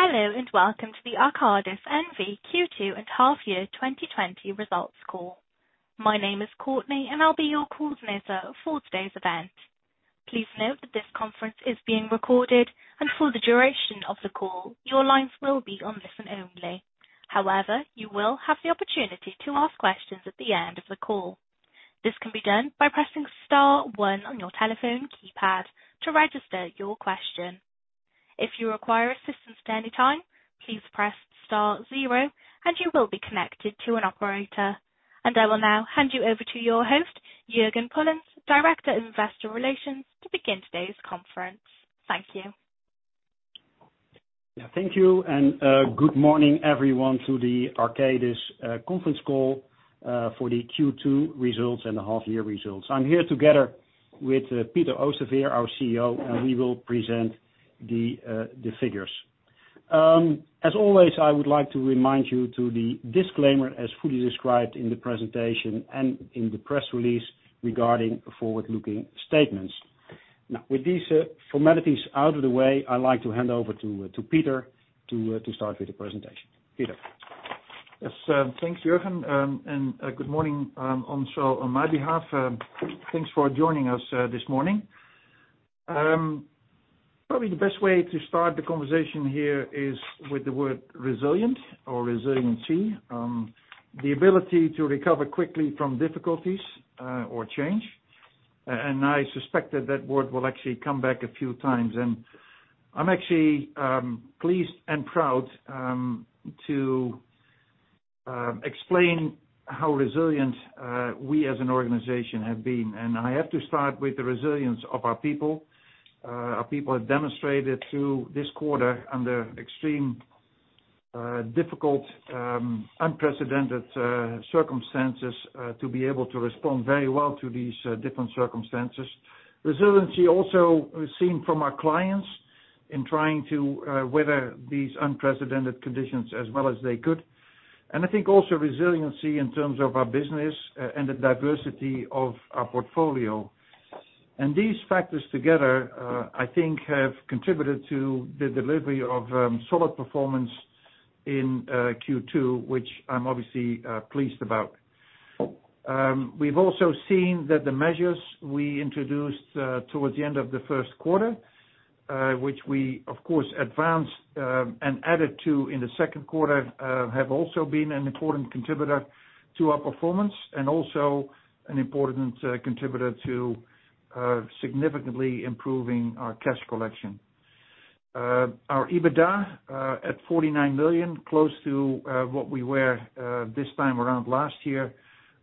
Hello, and welcome to the Arcadis NV Q2 and half-year 2020 results call. My name is Courtney, and I'll be your call coordinator for today's event. Please note that this conference is being recorded, and for the duration of the call, your lines will be on listen only. However, you will have the opportunity to ask questions at the end of the call. This can be done by pressing star one on your telephone keypad to register your question. If you require assistance at any time, please press star zero and you will be connected to an operator. I will now hand you over to your host, Jurgen Pullens, Director of Investor Relations, to begin today's conference. Thank you. Yeah, thank you, and good morning, everyone, to the Arcadis conference call for the Q2 results and the half-year results. I'm here together with Peter Oosterveer, our CEO, and we will present the figures. As always, I would like to remind you to the disclaimer as fully described in the presentation and in the press release regarding forward-looking statements. Now, with these formalities out of the way, I'd like to hand over to Peter to start with the presentation. Peter. Yes. Thanks, Jurgen. Good morning also on my behalf. Thanks for joining us this morning. Probably the best way to start the conversation here is with the word resilient or resiliency. The ability to recover quickly from difficulties or change. I suspect that word will actually come back a few times. I'm actually pleased and proud to explain how resilient we as an organization have been. I have to start with the resilience of our people. Our people have demonstrated through this quarter under extreme difficult, unprecedented circumstances, to be able to respond very well to these different circumstances. Resiliency also is seen from our clients in trying to weather these unprecedented conditions as well as they could. I think also resiliency in terms of our business and the diversity of our portfolio. These factors together, I think have contributed to the delivery of solid performance in Q2, which I'm obviously pleased about. We've also seen that the measures we introduced towards the end of the first quarter, which we of course advanced and added to in the second quarter, have also been an important contributor to our performance and also an important contributor to significantly improving our cash collection. Our EBITDA at 49 million, close to what we were this time around last year,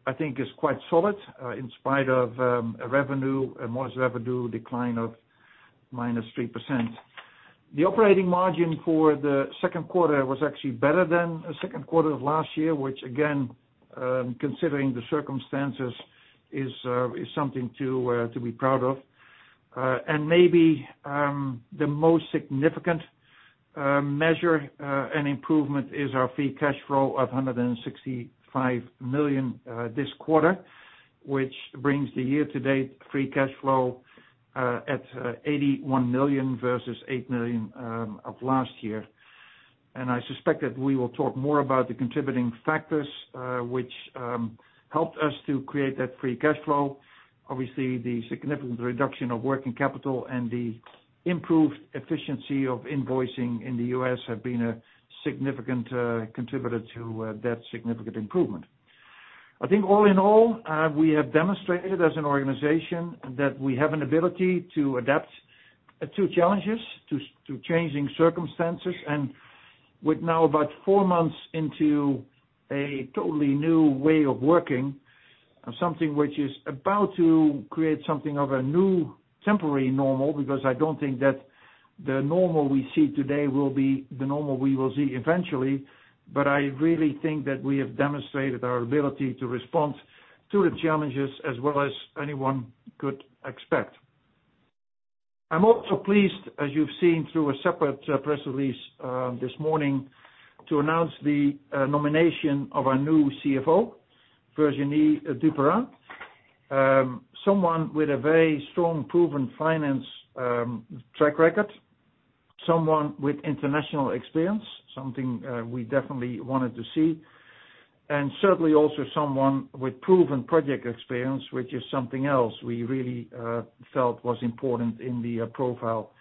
I think is quite solid in spite of a revenue and most revenue decline of -3%. The operating margin for the second quarter was actually better than the second quarter of last year, which again, considering the circumstances, is something to be proud of. Maybe the most significant measure and improvement is our free cash flow of 165 million this quarter, which brings the year-to-date free cash flow at 81 million versus 8 million of last year. I suspect that we will talk more about the contributing factors, which helped us to create that free cash flow. Obviously, the significant reduction of working capital and the improved efficiency of invoicing in the U.S. have been a significant contributor to that significant improvement. I think all in all, we have demonstrated as an organization that we have an ability to adapt to challenges, to changing circumstances, and with now about four months into a totally new way of working, something which is about to create something of a new temporary normal, because I don't think that the normal we see today will be the normal we will see eventually. I really think that we have demonstrated our ability to respond to the challenges as well as anyone could expect. I'm also pleased, as you've seen through a separate press release this morning, to announce the nomination of our new CFO, Virginie Duperat-Vergne. Someone with a very strong proven finance track record, someone with international experience, something we definitely wanted to see. Certainly also someone with proven project experience, which is something else we really felt was important in the profile.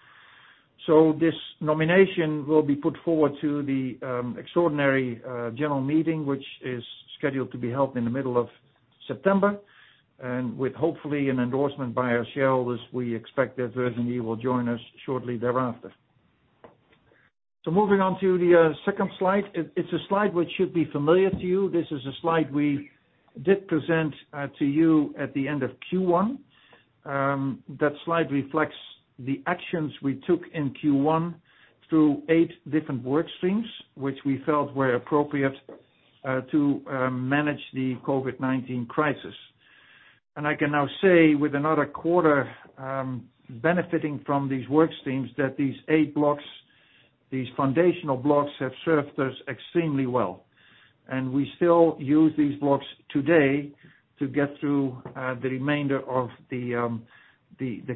This nomination will be put forward to the extraordinary general meeting, which is scheduled to be held in the middle of September, and with hopefully an endorsement by our shareholders, we expect that Virginie will join us shortly thereafter. Moving on to the second slide. It's a slide which should be familiar to you. This is a slide we did present to you at the end of Q1. That slide reflects the actions we took in Q1 through eight different work streams, which we felt were appropriate to manage the COVID-19 crisis. I can now say with another quarter, benefiting from these work streams, that these eight blocks, these foundational blocks, have served us extremely well. We still use these blocks today to get through the remainder of the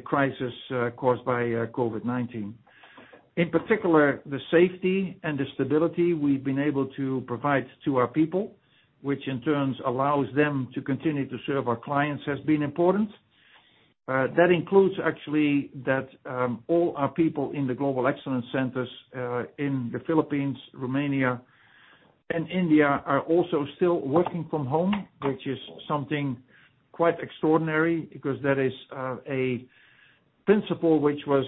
crisis caused by COVID-19. In particular, the safety and the stability we've been able to provide to our people, which in turn allows them to continue to serve our clients, has been important. That includes actually that all our people in the Global Excellence Centers, in the Philippines, Romania, and India, are also still working from home, which is something quite extraordinary, because that is a principle which was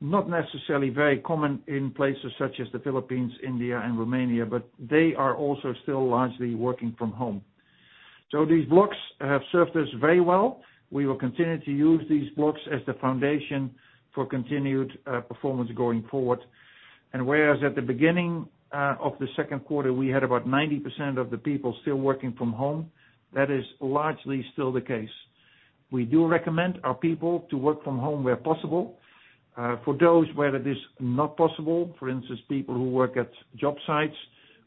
not necessarily very common in places such as the Philippines, India, and Romania. They are also still largely working from home. These blocks have served us very well. We will continue to use these blocks as the foundation for continued performance going forward. Whereas at the beginning of the second quarter, we had about 90% of the people still working from home, that is largely still the case. We do recommend our people to work from home where possible. For those where it is not possible, for instance, people who work at job sites,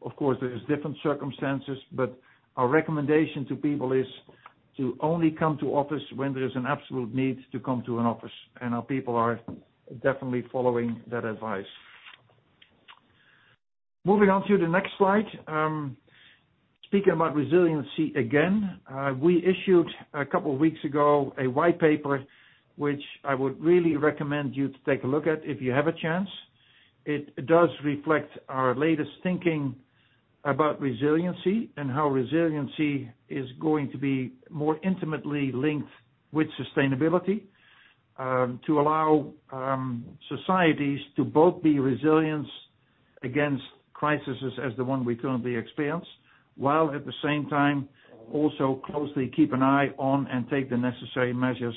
of course, there is different circumstances. Our recommendation to people is to only come to office when there is an absolute need to come to an office. Our people are definitely following that advice. Moving on to the next slide. Speaking about resiliency again, we issued a couple of weeks ago a white paper, which I would really recommend you to take a look at if you have a chance. It does reflect our latest thinking about resiliency and how resiliency is going to be more intimately linked with sustainability, to allow societies to both be resilient against crises as the one we currently experience, while at the same time also closely keep an eye on and take the necessary measures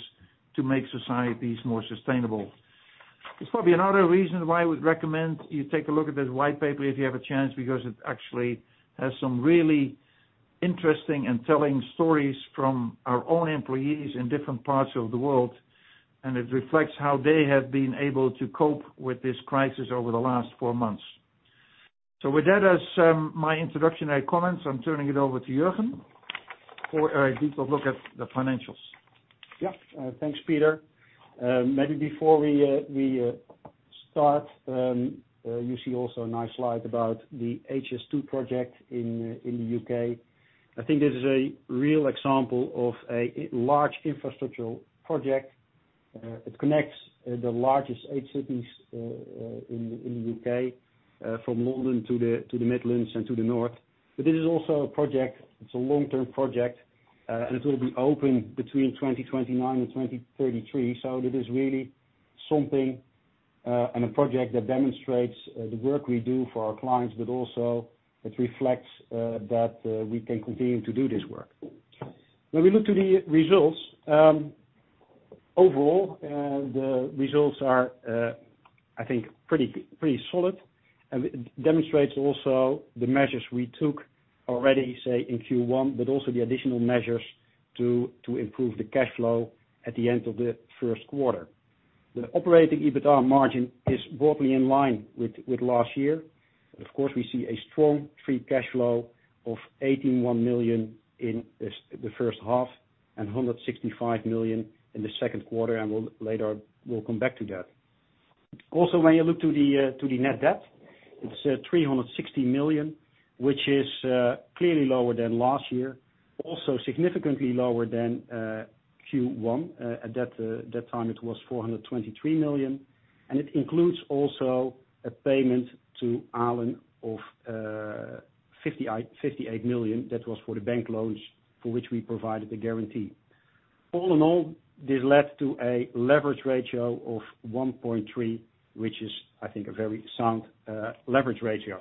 to make societies more sustainable. There's probably another reason why I would recommend you take a look at this white paper if you have a chance, because it actually has some really interesting and telling stories from our own employees in different parts of the world, and it reflects how they have been able to cope with this crisis over the last four months. With that as my introductory comments, I'm turning it over to Jurgen for a deeper look at the financials. Yes. Thanks, Peter. Maybe before we start, you see also a nice slide about the HS2 project in the U.K. I think this is a real example of a large infrastructural project. It connects the largest eight cities in the U.K., from London to the Midlands and to the north. It is also a project, it's a long-term project, and it will be open between 2029 and 2033. It is really something, and a project that demonstrates the work we do for our clients, but also it reflects that we can continue to do this work. When we look to the results, overall, the results are, I think, pretty solid and demonstrates also the measures we took already, say, in Q1, but also the additional measures to improve the cash flow at the end of the first quarter. The operating EBITDA margin is broadly in line with last year. Of course, we see a strong free cash flow of 81 million in the first half and 165 million in the second quarter, and later we'll come back to that. Also, when you look to the net debt, it's 360 million, which is clearly lower than last year, also significantly lower than Q1. At that time, it was 423 million, and it includes also a payment to ALEN of 58 million. That was for the bank loans for which we provided the guarantee. All in all, this led to a leverage ratio of 1.3, which is, I think, a very sound leverage ratio.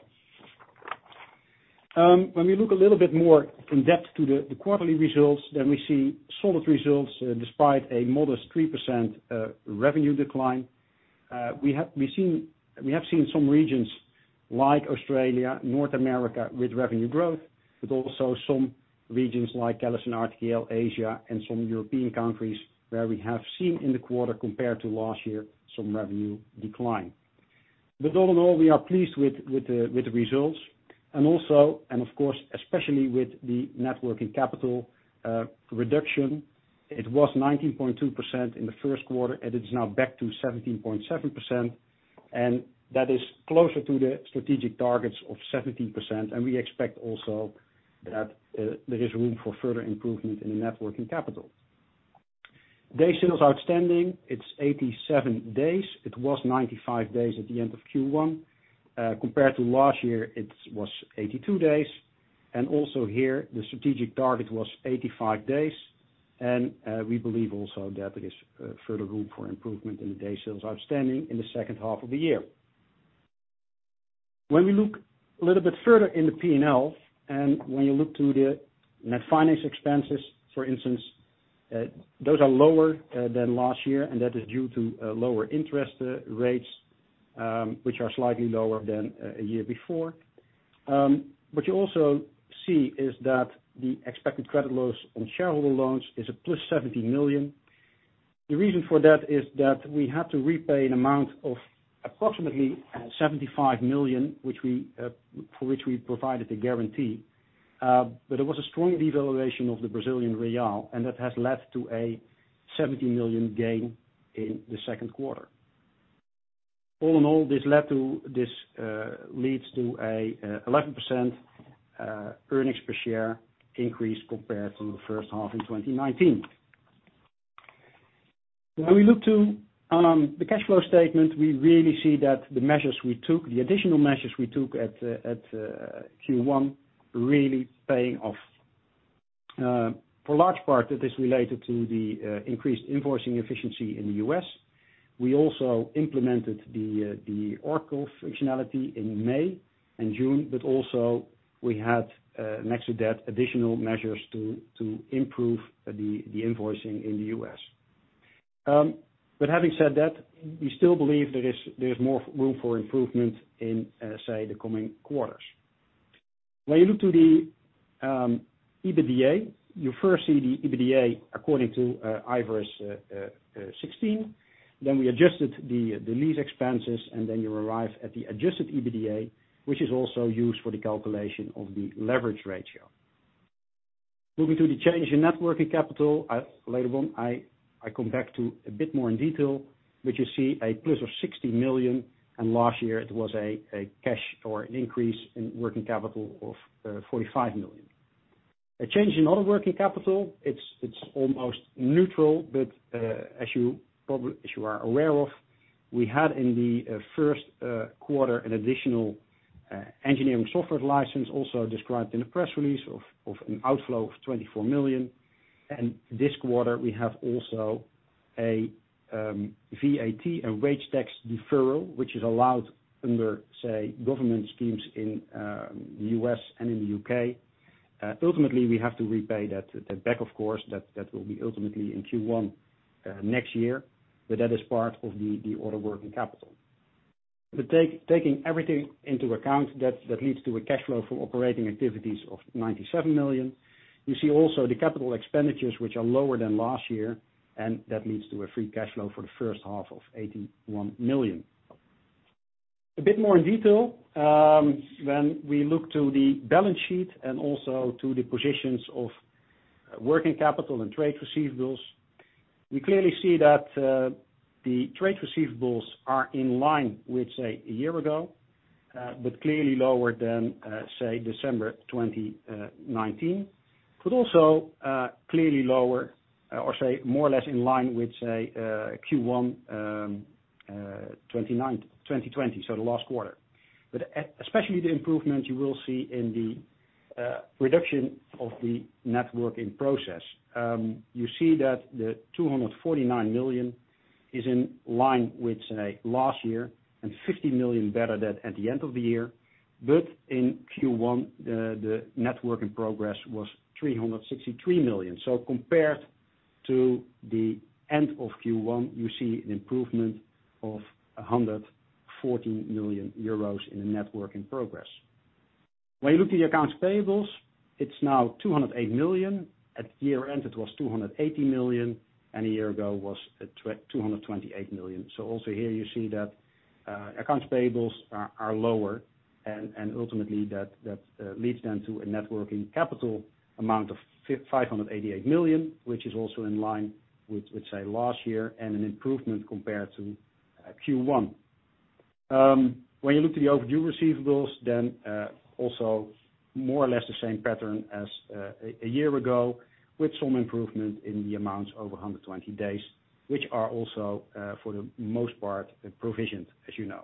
When we look a little bit more in depth to the quarterly results, then we see solid results despite a modest 3% revenue decline. We have seen some regions like Australia, North America with revenue growth, but also some regions like CallisonRTKL, Asia, and some European countries where we have seen in the quarter, compared to last year, some revenue decline. All in all, we are pleased with the results. Also, and of course, especially with the net working capital reduction, it was 19.2% in the first quarter, and it is now back to 17.7%, and that is closer to the strategic targets of 17%. We expect also that there is room for further improvement in the net working capital. Day sales outstanding, it's 87 days. It was 95 days at the end of Q1. Compared to last year, it was 82 days. Also here, the strategic target was 85 days. We believe also that there is further room for improvement in the day sales outstanding in the second half of the year. When we look a little bit further in the P&L, when you look to the net finance expenses, for instance, those are lower than last year. That is due to lower interest rates, which are slightly lower than a year before. What you also see is that the expected credit loss on shareholder loans is a +70 million. The reason for that is that we had to repay an amount of approximately 75 million, for which we provided the guarantee. There was a strong devaluation of the Brazilian real. That has led to a 70 million gain in the second quarter. All in all, this leads to an 11% earnings per share increase compared to the first half in 2019. When we look to on the cash flow statement, we really see that the additional measures we took at Q1 really paying off. For large part, that is related to the increased invoicing efficiency in the U.S. We also implemented the Oracle functionality in May and June, also we had, next to that, additional measures to improve the invoicing in the U.S. Having said that, we still believe there's more room for improvement in, say, the coming quarters. When you look to the EBITDA, you first see the EBITDA according to IFRS 16. We adjusted the lease expenses, then you arrive at the adjusted EBITDA, which is also used for the calculation of the leverage ratio. Moving to the change in net working capital, later on, I come back to a bit more in detail, but you see a plus of 60 million, and last year it was a cash or an increase in working capital of 45 million. A change in other working capital, it's almost neutral, but as you are aware of, we had in the first quarter an additional engineering software license also described in the press release of an outflow of 24 million. This quarter, we have also a VAT, a wage tax deferral, which is allowed under, say, government schemes in the U.S. and in the U.K. Ultimately, we have to repay that back, of course, that will be ultimately in Q1 next year. That is part of the other working capital. Taking everything into account, that leads to a cash flow from operating activities of 97 million. You see also the capital expenditures, which are lower than last year, and that leads to a free cash flow for the first half of 81 million. A bit more in detail, when we look to the balance sheet and also to the positions of working capital and trade receivables, we clearly see that the trade receivables are in line with, say, a year ago, clearly lower than, say, December 2019. Also clearly lower or, say, more or less in line with, say, Q1 2020, so the last quarter. Especially the improvement you will see in the reduction of the WIP. You see that the 249 million is in line with, say, last year and 50 million better at the end of the year. In Q1, the WIP was 363 million. Compared to the end of Q1, you see an improvement of 114 million euros in the net work in progress. When you look at the accounts payables, it is now 208 million. At year-end, it was 280 million, and a year ago was at 228 million. Also here you see that accounts payables are lower and ultimately that leads then to a net working capital amount of 588 million, which is also in line with, say, last year and an improvement compared to Q1. When you look to the overdue receivables, then also more or less the same pattern as a year ago with some improvement in the amounts over 120 days, which are also, for the most part, provisioned, as you know.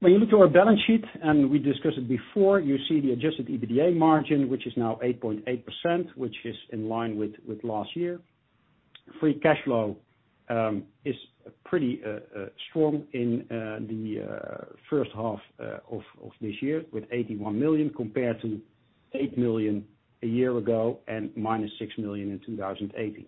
When you look to our balance sheet, we discussed it before, you see the adjusted EBITDA margin, which is now 8.8%, which is in line with last year. Free cash flow is pretty strong in the first half of this year with 81 million compared to 8 million a year ago and minus 6 million in 2018.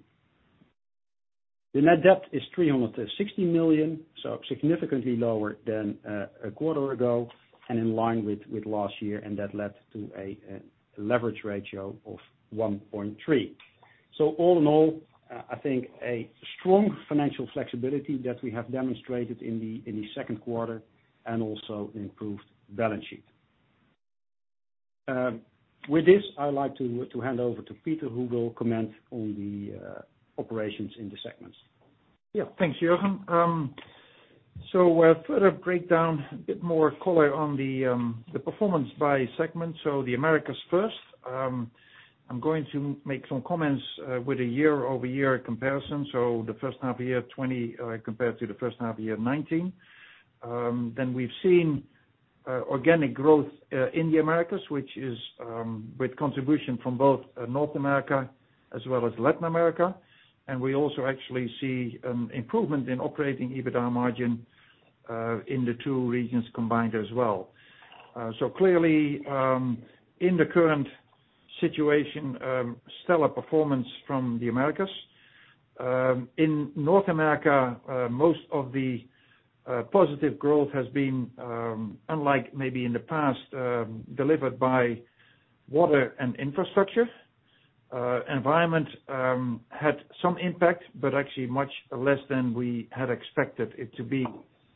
The net debt is 360 million, significantly lower than a quarter ago and in line with last year. That led to a leverage ratio of 1.3. All in all, I think a strong financial flexibility that we have demonstrated in the second quarter and also an improved balance sheet. With this, I would like to hand over to Peter, who will comment on the operations in the segments. Yeah. Thank you, Jurgen. Further breakdown, a bit more color on the performance by segment. The Americas first. I'm going to make some comments with a year-over-year comparison. The first half year 2020 compared to the first half year 2019. We've seen organic growth in the Americas, which is with contribution from both North America as well as Latin America. We also actually see improvement in operating EBITDA margin in the two regions combined as well. Clearly, in the current situation, stellar performance from the Americas. In North America, most of the positive growth has been, unlike maybe in the past, delivered by water and infrastructure. Environment had some impact, but actually much less than we had expected it to be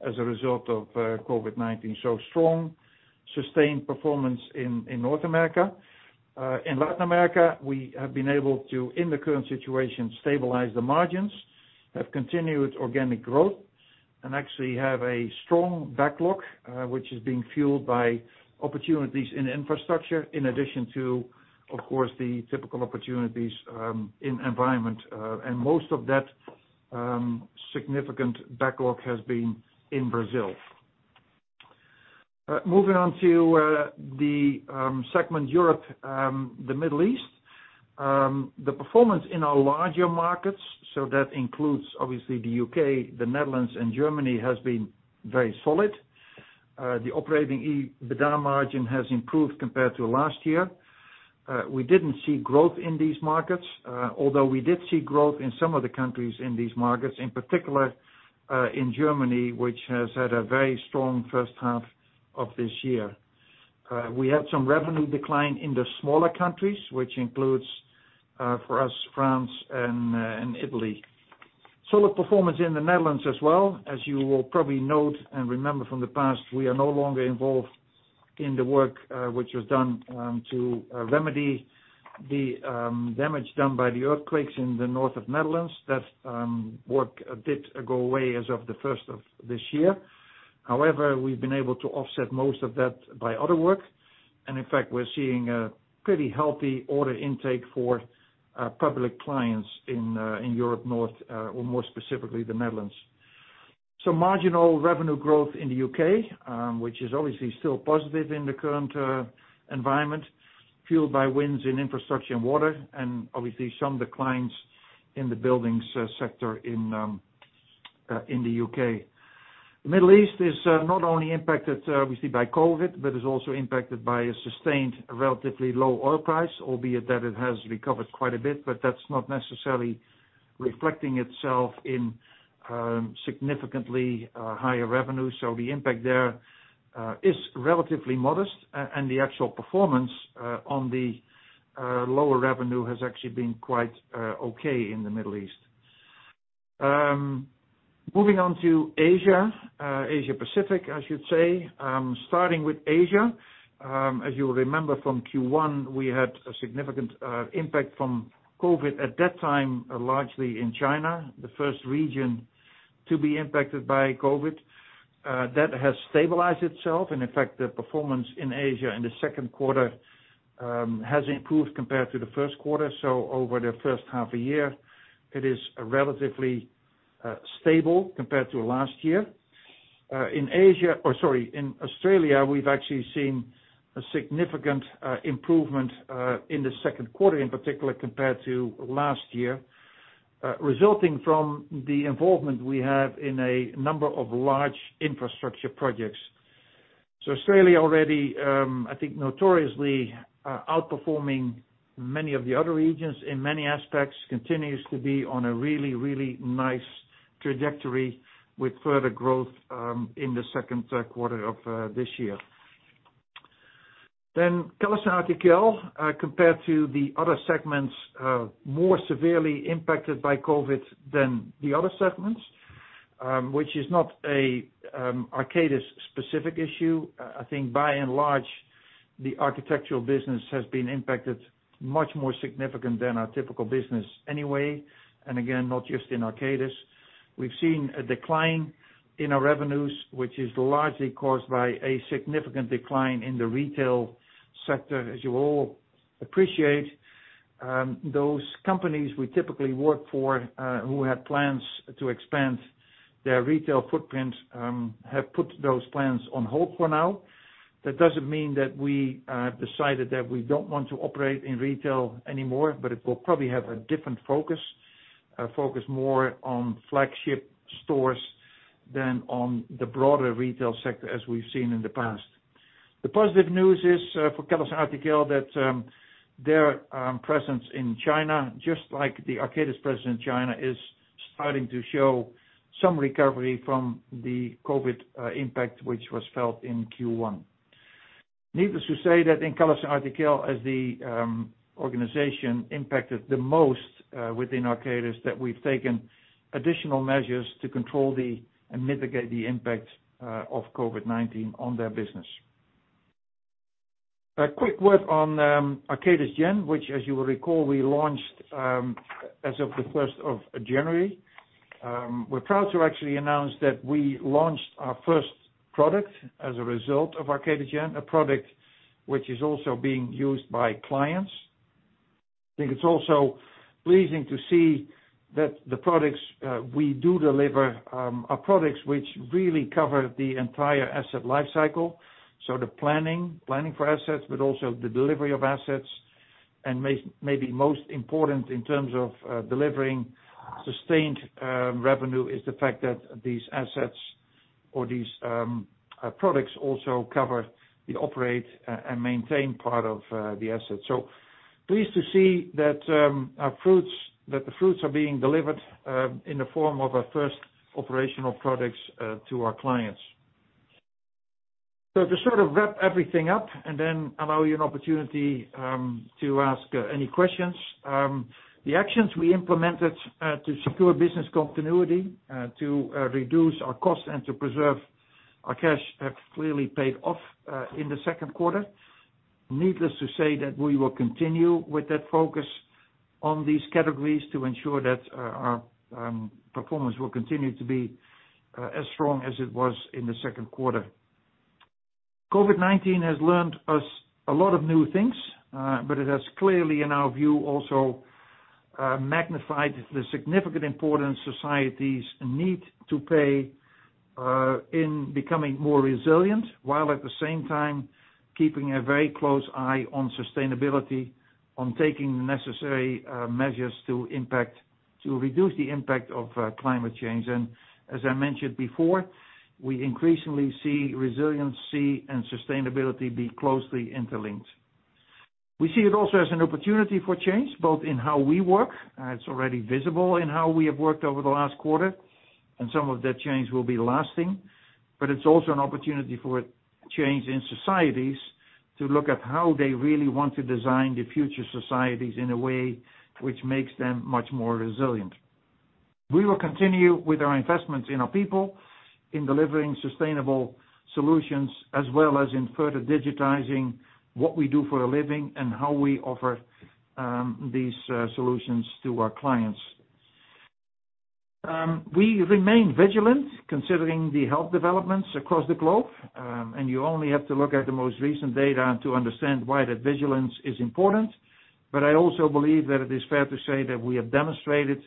as a result of COVID-19. Strong, sustained performance in North America. In Latin America, we have been able to, in the current situation, stabilize the margins, have continued organic growth, and actually have a strong backlog, which is being fueled by opportunities in infrastructure, in addition to, of course, the typical opportunities in environment. Most of that significant backlog has been in Brazil. Moving on to the segment Europe, Middle East. The performance in our larger markets, so that includes obviously the U.K., the Netherlands, and Germany, has been very solid. The operating EBITDA margin has improved compared to last year. We didn't see growth in these markets, although we did see growth in some of the countries in these markets, in particular in Germany, which has had a very strong first half of this year. We had some revenue decline in the smaller countries, which includes, for us, France and Italy. Solid performance in the Netherlands as well. As you will probably note and remember from the past, we are no longer involved in the work which was done to remedy the damage done by the earthquakes in the north of Netherlands. That work did go away as of the first of this year. We've been able to offset most of that by other work. In fact, we're seeing a pretty healthy order intake for public clients in Europe, North, or more specifically, the Netherlands. Marginal revenue growth in the U.K., which is obviously still positive in the current environment, fueled by winds in infrastructure and water, and obviously some declines in the buildings sector in the U.K. The Middle East is not only impacted, obviously, by COVID, but is also impacted by a sustained, relatively low oil price, albeit that it has recovered quite a bit, but that's not necessarily reflecting itself in significantly higher revenue. The impact there is relatively modest, and the actual performance on the lower revenue has actually been quite okay in the Middle East. Moving on to Asia Pacific, I should say. Starting with Asia, as you'll remember from Q1, we had a significant impact from COVID, at that time, largely in China, the first region to be impacted by COVID. That has stabilized itself, and in fact, the performance in Asia in the second quarter has improved compared to the first quarter. Over the first half a year, it is relatively stable compared to last year. In Australia, we've actually seen a significant improvement in the second quarter, in particular, compared to last year, resulting from the involvement we have in a number of large infrastructure projects. Australia already, I think, notoriously outperforming many of the other regions in many aspects, continues to be on a really, really nice trajectory with further growth in the second quarter of this year. CallisonRTKL, compared to the other segments, more severely impacted by COVID-19 than the other segments, which is not an Arcadis-specific issue. I think by and large, the architectural business has been impacted much more significant than our typical business anyway, and again, not just in Arcadis. We've seen a decline in our revenues, which is largely caused by a significant decline in the retail sector. As you all appreciate, those companies we typically work for who had plans to expand their retail footprint have put those plans on hold for now. That doesn't mean that we have decided that we don't want to operate in retail anymore, but it will probably have a different focus, focused more on flagship stores than on the broader retail sector as we've seen in the past. The positive news is for CallisonRTKL that their presence in China, just like the Arcadis presence in China, is starting to show some recovery from the COVID-19 impact, which was felt in Q1. Needless to say that in CallisonRTKL as the organization impacted the most within Arcadis, that we've taken additional measures to control and mitigate the impact of COVID-19 on their business. A quick word on Arcadis Gen, which as you will recall, we launched as of the 1st of January. We are proud to actually announce that we launched our first product as a result of Arcadis Gen, a product which is also being used by clients. I think it is also pleasing to see that the products we do deliver are products which really cover the entire asset life cycle. The planning for assets, but also the delivery of assets, and maybe most important in terms of delivering sustained revenue, is the fact that these products also cover the operate and maintain part of the asset. Pleased to see that the fruits are being delivered in the form of our first operational products to our clients. To sort of wrap everything up and then allow you an opportunity to ask any questions. The actions we implemented to secure business continuity, to reduce our costs, and to preserve our cash have clearly paid off in the second quarter. Needless to say that we will continue with that focus on these categories to ensure that our performance will continue to be as strong as it was in the second quarter. COVID-19 has learned us a lot of new things. It has clearly, in our view, also magnified the significant importance societies need to pay in becoming more resilient, while at the same time keeping a very close eye on sustainability, on taking the necessary measures to reduce the impact of climate change. As I mentioned before, we increasingly see resiliency and sustainability be closely interlinked. We see it also as an opportunity for change, both in how we work, it's already visible in how we have worked over the last quarter, and some of that change will be lasting. It's also an opportunity for change in societies to look at how they really want to design the future societies in a way which makes them much more resilient. We will continue with our investments in our people, in delivering sustainable solutions, as well as in further digitizing what we do for a living and how we offer these solutions to our clients. We remain vigilant considering the health developments across the globe. You only have to look at the most recent data to understand why that vigilance is important. I also believe that it is fair to say that we have demonstrated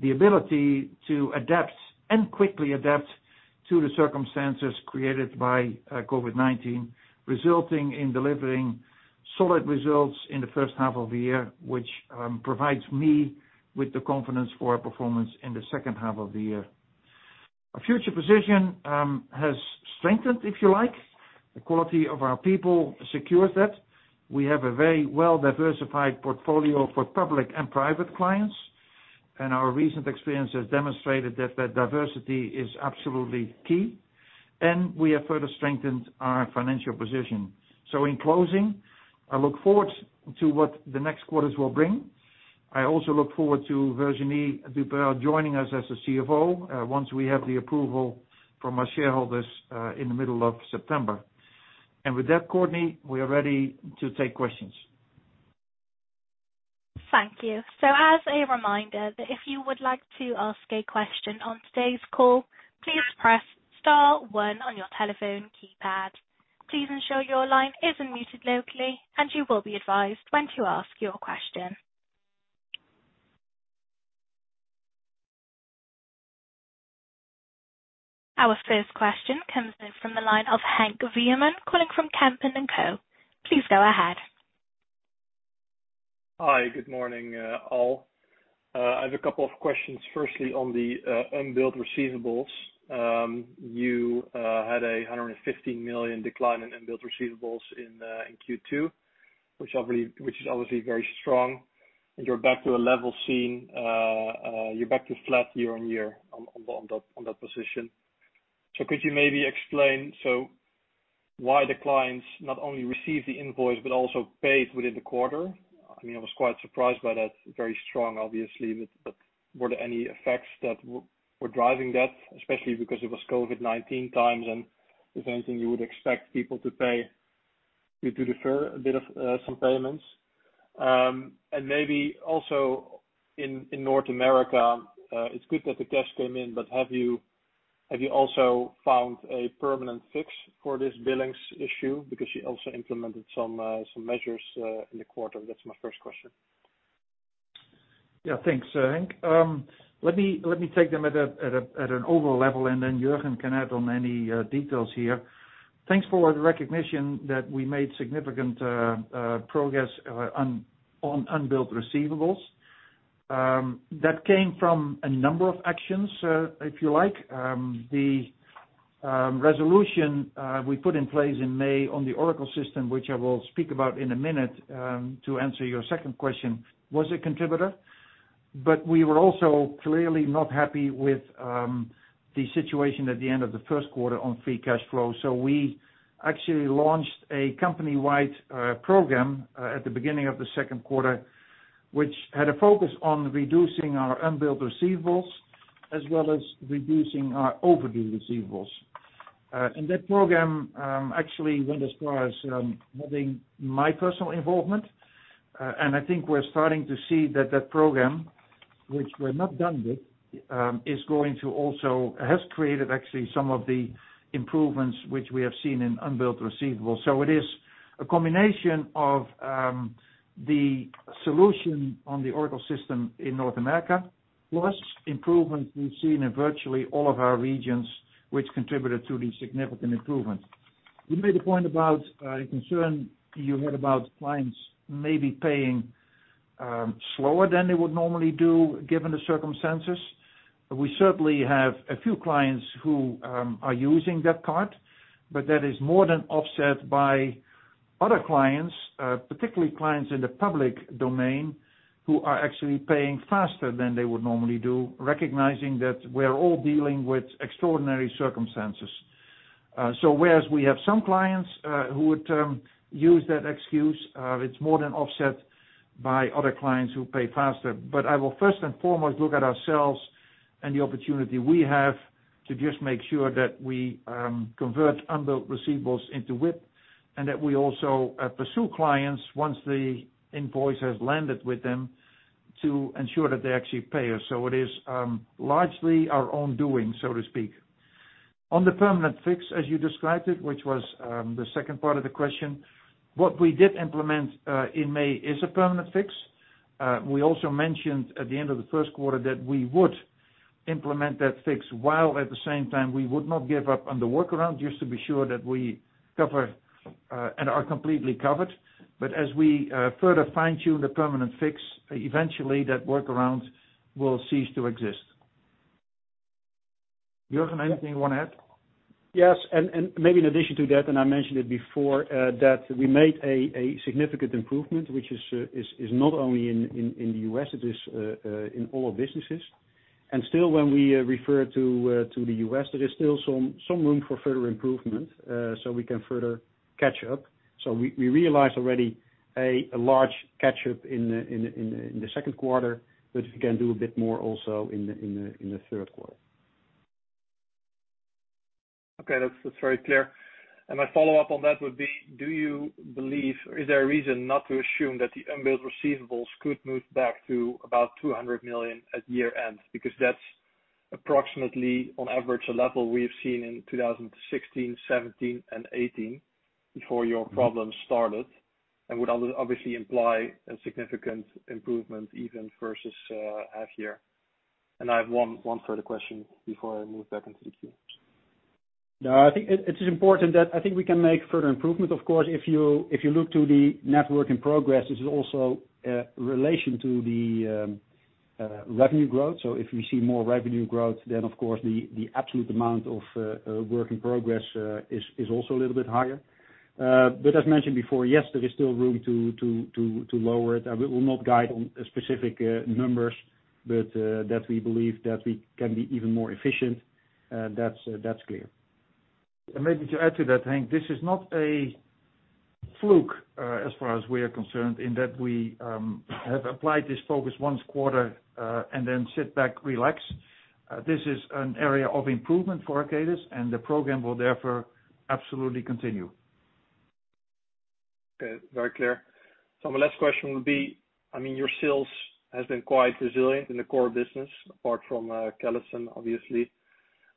the ability to adapt, and quickly adapt, to the circumstances created by COVID-19, resulting in delivering solid results in the first half of the year, which provides me with the confidence for our performance in the second half of the year. Our future position has strengthened, if you like. The quality of our people secures that. We have a very well-diversified portfolio for public and private clients, and our recent experience has demonstrated that that diversity is absolutely key, and we have further strengthened our financial position. In closing, I look forward to what the next quarters will bring. I also look forward to Virginie Duperat-Vergne joining us as the CFO, once we have the approval from our shareholders in the middle of September. With that, Courtney, we are ready to take questions. Thank you. As a reminder, that if you would like to ask a question on today's call, please press star one on your telephone keypad. Please ensure your line is unmuted locally and you will be advised when to ask your question. Our first question comes in from the line of Henk Veerman calling from Kempen & Co. Please go ahead. Hi. Good morning, all. I have a couple of questions. Firstly, on the unbilled receivables. You had a 115 million decline in unbilled receivables in Q2, which is obviously very strong. You're back to flat year-over-year on that position. Could you maybe explain why the clients not only received the invoice but also paid within the quarter? I was quite surprised by that. Very strong, obviously, were there any effects that were driving that? Especially because it was COVID-19 times, if anything, you would expect people to defer a bit of some payments. Maybe also in North America, it's good that the cash came in, have you also found a permanent fix for this billings issue? You also implemented some measures in the quarter. That's my first question. Yeah, thanks, Henk. Let me take them at an overall level, and then Jurgen can add on any details here. Thanks for the recognition that we made significant progress on unbilled receivables. That came from a number of actions, if you like. The resolution we put in place in May on the Oracle system, which I will speak about in a minute, to answer your second question, was a contributor. We were also clearly not happy with the situation at the end of the first quarter on free cash flow. We actually launched a company-wide program at the beginning of the second quarter, which had a focus on reducing our unbilled receivables as well as reducing our overdue receivables. That program actually went as far as having my personal involvement. I think we're starting to see that that program, which we're not done with, has created actually some of the improvements which we have seen in unbilled receivables. It is a combination of the solution on the Oracle system in North America, plus improvements we've seen in virtually all of our regions, which contributed to the significant improvement. You made a point about a concern you had about clients maybe paying slower than they would normally do, given the circumstances. We certainly have a few clients who are using that card, but that is more than offset by other clients, particularly clients in the public domain, who are actually paying faster than they would normally do, recognizing that we're all dealing with extraordinary circumstances. Whereas we have some clients who would use that excuse, it's more than offset by other clients who pay faster. I will first and foremost look at ourselves and the opportunity we have to just make sure that we convert unbilled receivables into WIP, and that we also pursue clients once the invoice has landed with them, to ensure that they actually pay us. It is largely our own doing, so to speak. On the permanent fix, as you described it, which was the second part of the question, what we did implement in May is a permanent fix. We also mentioned at the end of the first quarter that we would implement that fix, while at the same time we would not give up on the workaround, just to be sure that we cover and are completely covered. As we further fine-tune the permanent fix, eventually that workaround will cease to exist. Jurgen, anything you want to add? Yes. Maybe in addition to that, and I mentioned it before, that we made a significant improvement, which is not only in the U.S., it is in all our businesses. Still, when we refer to the U.S., there is still some room for further improvement, so we can further catch up. We realized already a large catch-up in the second quarter, but we can do a bit more also in the third quarter. Okay. That's very clear. My follow-up on that would be, do you believe, or is there a reason not to assume that the unbilled receivables could move back to about 200 million at year-end? That's approximately, on average, a level we have seen in 2016, 2017, and 2018 before your problems started, and would obviously imply a significant improvement even versus half year. I have one further question before I move back into the queue. I think it is important that I think we can make further improvement, of course. If you look to the work in progress, this is also a relation to the revenue growth. If we see more revenue growth, of course the absolute amount of work in progress is also a little bit higher. As mentioned before, yes, there is still room to lower it. We will not guide on specific numbers, but that we believe that we can be even more efficient, that's clear. Maybe to add to that, Henk, this is not a fluke as far as we are concerned, in that we have applied this focus one quarter and then sit back, relax. This is an area of improvement for Arcadis, the program will therefore absolutely continue. Okay. Very clear. My last question would be, your sales has been quite resilient in the core business, apart from Callison, obviously.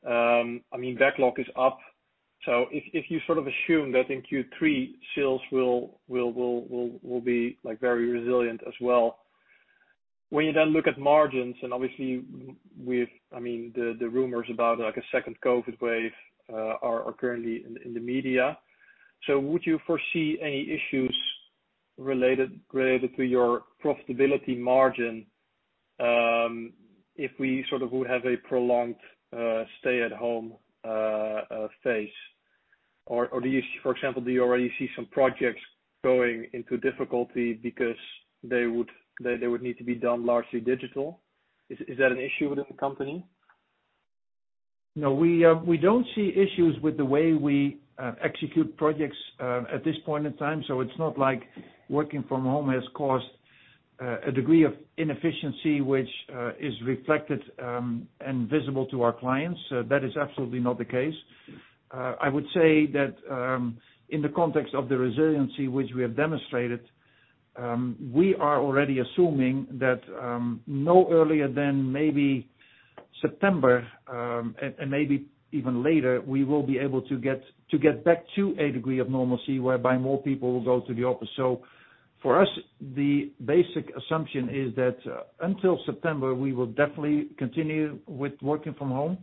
Backlog is up. If you sort of assume that in Q3, sales will be very resilient as well. When you then look at margins, and obviously with the rumors about a second COVID wave are currently in the media. Would you foresee any issues related to your profitability margin, if we sort of would have a prolonged stay-at-home phase? Or for example, do you already see some projects going into difficulty because they would need to be done largely digital? Is that an issue within the company? No. We don't see issues with the way we execute projects at this point in time. It's not like working from home has caused a degree of inefficiency which is reflected and visible to our clients. That is absolutely not the case. I would say that in the context of the resiliency which we have demonstrated, we are already assuming that no earlier than maybe September, and maybe even later, we will be able to get back to a degree of normalcy whereby more people will go to the office. For us, the basic assumption is that until September, we will definitely continue with working from home.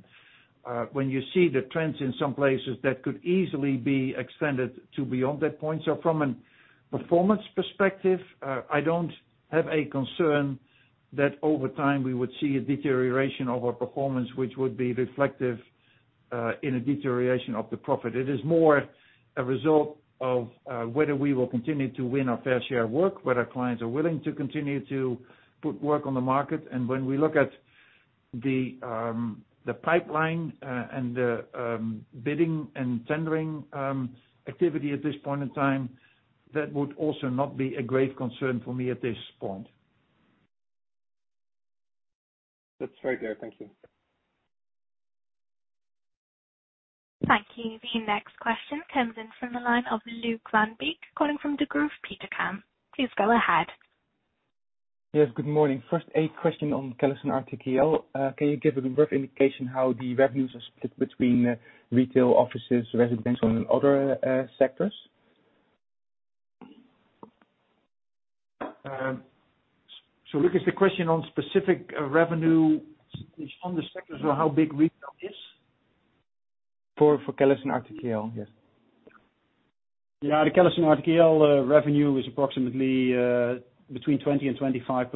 When you see the trends in some places, that could easily be extended to beyond that point. From a performance perspective, I don't have a concern that over time we would see a deterioration of our performance, which would be reflective in a deterioration of the profit. It is more a result of whether we will continue to win our fair share of work, whether clients are willing to continue to put work on the market. When we look at the pipeline and the bidding and tendering activity at this point in time, that would also not be a grave concern for me at this point. That's very clear. Thank you. Thank you. The next question comes in from the line of Luuk van Beek, calling from Degroof Petercam. Please go ahead. Yes, good morning. First, a question on CallisonRTKL. Can you give a brief indication how the revenues are split between retail offices, residential, and other sectors? Luuk, is the question on specific revenue on the sectors or how big retail-? For CallisonRTKL, yes. Yeah. The CallisonRTKL revenue is approximately between 20% and 25%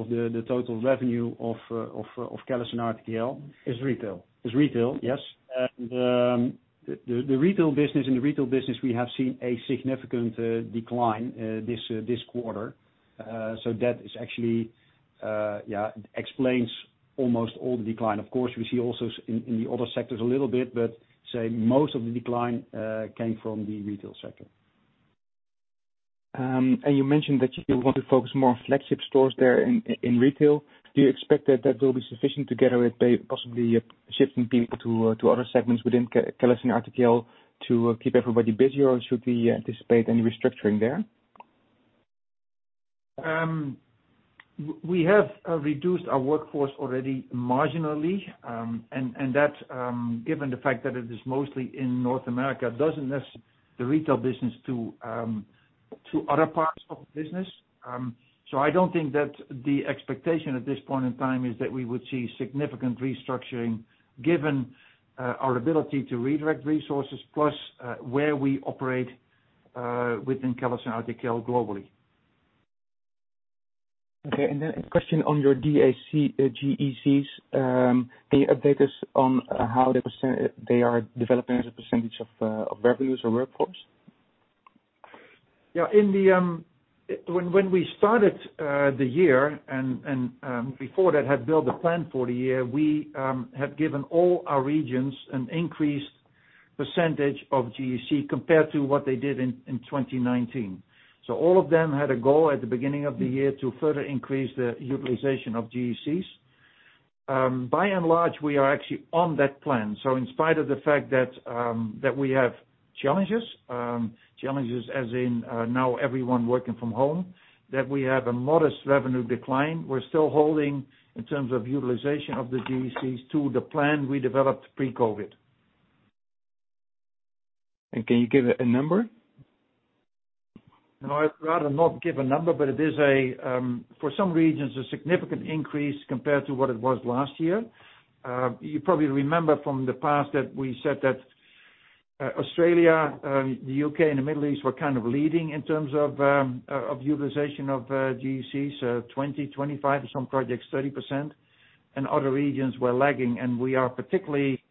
of the total revenue of CallisonRTKL. Is retail. Is retail, yes. In the retail business, we have seen a significant decline this quarter. That actually explains almost all the decline. Of course, we see also in the other sectors a little bit, but most of the decline came from the retail sector. You mentioned that you want to focus more on flagship stores there in retail. Do you expect that that will be sufficient together with possibly shifting people to other segments within CallisonRTKL to keep everybody busy, or should we anticipate any restructuring there? We have reduced our workforce already marginally, and that, given the fact that it is mostly in North America, doesn't necessarily the retail business to other parts of the business. I don't think that the expectation at this point in time is that we would see significant restructuring given our ability to redirect resources, plus where we operate within CallisonRTKL globally. Okay, a question on your DAC GECs. Can you update us on how they are developing as a percentage of revenues or workforce? When we started the year, and before that, had built the plan for the year, we had given all our regions an increased percentage of GEC compared to what they did in 2019. All of them had a goal at the beginning of the year to further increase the utilization of GECs. By and large, we are actually on that plan. In spite of the fact that we have challenges as in now everyone working from home, that we have a modest revenue decline, we're still holding in terms of utilization of the GECs to the plan we developed pre-COVID. Can you give a number? No, I'd rather not give a number, but it is, for some regions, a significant increase compared to what it was last year. You probably remember from the past that we said that Australia, the U.K., and the Middle East were kind of leading in terms of utilization of GECs, 20%, 25%, some projects 30%, and other regions were lagging. We are particularly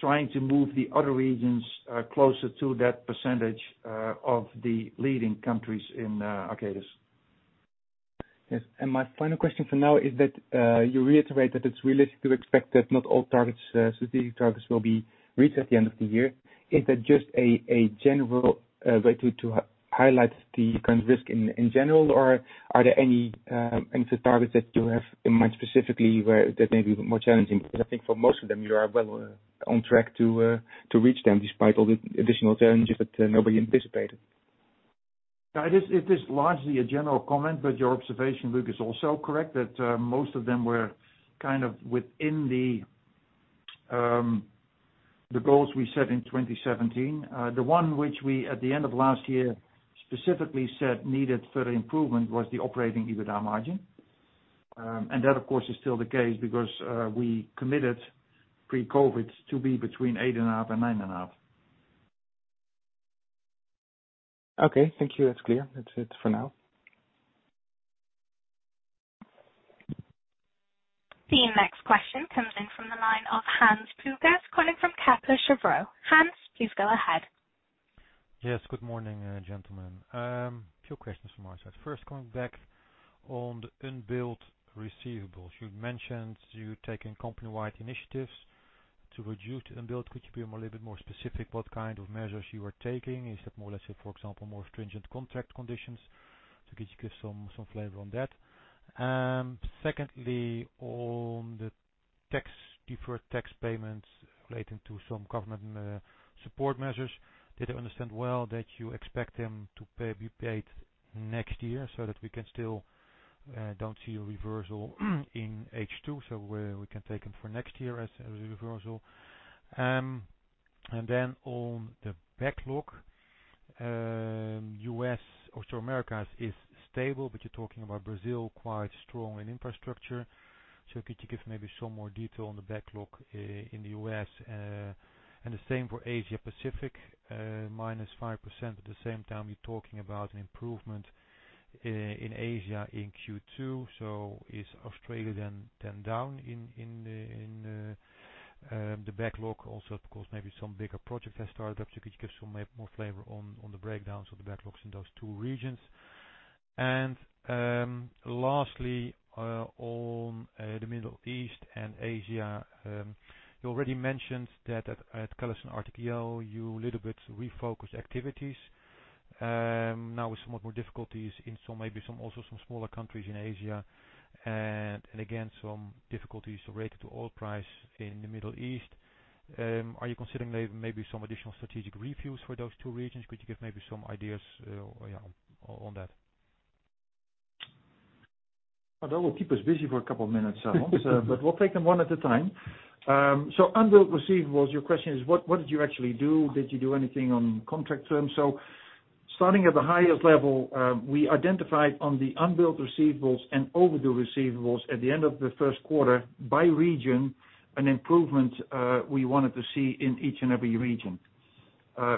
trying to move the other regions closer to that percentage of the leading countries in Arcadis. Yes. My final question for now is that you reiterate that it's realistic to expect that not all strategic targets will be reached at the end of the year. Is that just a general way to highlight the current risk in general, or are there any targets that you have in mind specifically where that may be more challenging? I think for most of them, you are well on track to reach them despite all the additional challenges that nobody anticipated. It is largely a general comment, but your observation, Luuk, is also correct that most of them were within the goals we set in 2017. The one which we, at the end of last year, specifically said needed further improvement was the operating EBITDA margin. That, of course, is still the case because we committed pre-COVID-19 to be between 8.5% and 9.5%. Okay, thank you. That's clear. That's it for now. The next question comes in from the line of Hans Pluijgers calling from Kepler Cheuvreux. Hans, please go ahead. Yes, good morning, gentlemen. A few questions from my side. First, going back on the unbilled receivables. You mentioned you're taking company-wide initiatives to reduce unbilled. Could you be a little bit more specific what kind of measures you are taking? Is that more, let's say, for example, more stringent contract conditions? Could you give some flavor on that? Secondly, on the deferred tax payments relating to some government support measures. Did I understand well that you expect them to be paid next year so that we still don't see a reversal in H2, so we can take them for next year as a reversal. On the backlog, U.S., also Americas is stable, but you're talking about Brazil quite strong in infrastructure. Could you give maybe some more detail on the backlog in the U.S.? The same for Asia Pacific, -5%. At the same time, you're talking about an improvement in Asia in Q2, so is Australia then down in the backlog also, of course, maybe some bigger projects have started up, so could you give some more flavor on the breakdowns of the backlogs in those two regions? Lastly, on the Middle East and Asia, you already mentioned that at CallisonRTKL, you a little bit refocused activities. Now with somewhat more difficulties in maybe also some smaller countries in Asia and again, some difficulties related to oil price in the Middle East, are you considering maybe some additional strategic reviews for those two regions? Could you give maybe some ideas on that? That will keep us busy for a couple of minutes, Hans, but we'll take them one at a time. Unbilled receivables, your question is, what did you actually do? Did you do anything on contract terms? Starting at the highest level, we identified on the unbilled receivables and overdue receivables at the end of the first quarter by region, an improvement we wanted to see in each and every region.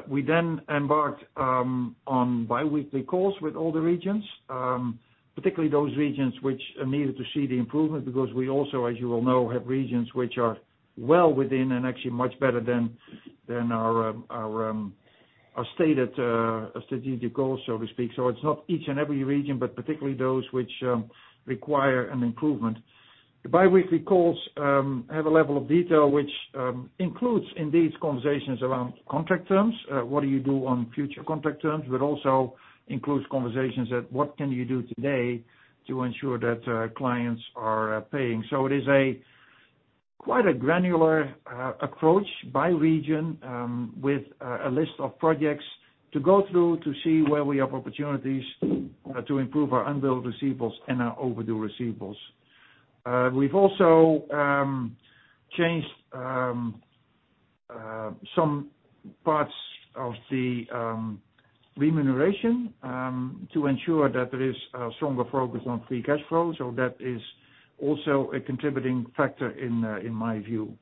We then embarked on biweekly calls with all the regions, particularly those regions which needed to see the improvement, because we also, as you well know, have regions which are well within and actually much better than our stated strategic goals, so to speak. It's not each and every region, but particularly those which require an improvement. The biweekly calls have a level of detail which includes, in these conversations, around contract terms, what do you do on future contract terms, but also includes conversations at what can you do today to ensure that our clients are paying. It is quite a granular approach by region, with a list of projects to go through to see where we have opportunities to improve our unbilled receivables and our overdue receivables. We've also changed some parts of the remuneration to ensure that there is a stronger focus on free cash flow. That is also a contributing factor in my view.